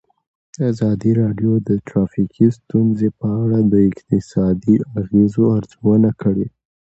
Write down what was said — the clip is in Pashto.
ازادي راډیو د ټرافیکي ستونزې په اړه د اقتصادي اغېزو ارزونه کړې.